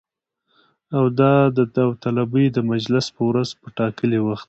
او د داوطلبۍ د مجلس په ورځ په ټاکلي وخت